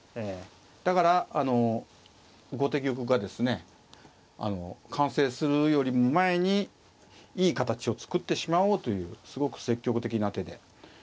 だから後手玉がですね完成するよりも前にいい形を作ってしまおうというすごく積極的な手で。